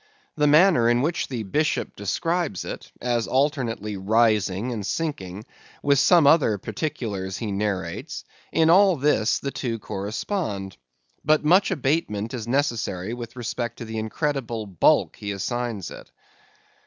The manner in which the Bishop describes it, as alternately rising and sinking, with some other particulars he narrates, in all this the two correspond. But much abatement is necessary with respect to the incredible bulk he assigns it.